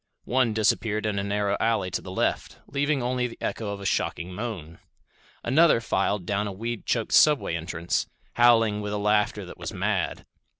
One disappeared in a narrow alley to the left, leaving only the echo of a shocking moan. Another filed down a weed choked subway entrance, howling with a laughter that was mad.